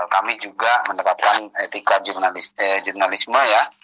kami juga menerapkan etika jurnalisme ya